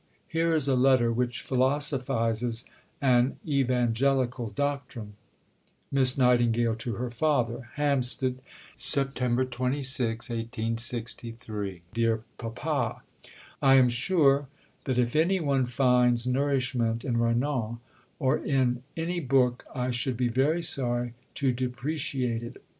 Here is a letter which philosophizes an "evangelical" doctrine: (Miss Nightingale to her Father.) HAMPSTEAD, Sept. 26 . DEAR PAPA I am sure that if any one finds nourishment in Renan or in any book I should be very sorry to "depreciate" it.